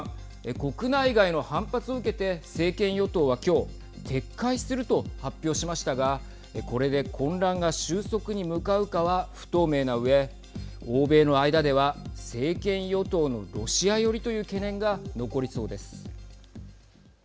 国内外の反発を受けて政権与党は今日撤回すると発表しましたがこれで混乱が収束に向かうかは不透明なうえ欧米の間では政権与党のロシア寄りという懸念が残りそうです。